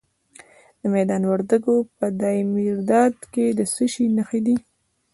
د میدان وردګو په دایمیرداد کې د څه شي نښې دي؟